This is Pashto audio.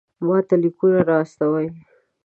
ماته لیکونه را واستوئ.